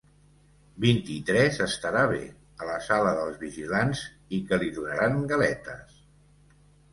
Vint-i-tres estarà bé, a la sala dels vigilants, i que li donaran galetes.